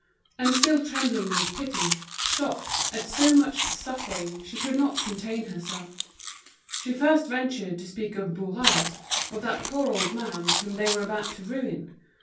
And still trembling with pity, shocked at so much suffering, she could not contain herself; she first ventured to speak of Bourras, of that poor old man whom they were about to ruin.